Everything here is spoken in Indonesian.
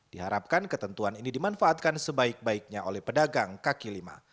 diharapkan ketentuan ini dimanfaatkan sebaik baiknya oleh pedagang kaki lima